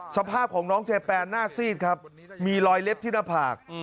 สภาพของน้องเจแปนหน้าซีดครับมีรอยเล็บที่หน้าผาก